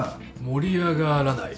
盛り上がらない。